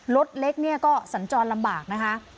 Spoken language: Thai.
รถเล็กเนี่ยก็สัญจรลำบากนะคะ